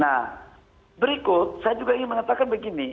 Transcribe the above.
nah berikut saya juga ingin mengatakan begini